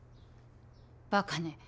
バカね。